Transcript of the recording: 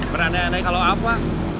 berandai andai kalo apa